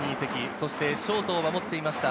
そしてショートを守っていました